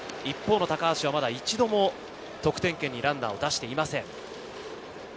一方、高橋はまだ一度も得点圏にランナーを出していません。